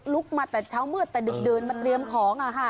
มาแต่เช้ามืดแต่ดึกดื่นมาเตรียมของ